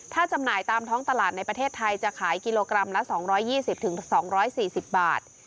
ถ้าจำหน่ายตามท้องตลาดในประเทศไทยจะขายกิโลกรัมละ๒๒๐๒๔๐บาท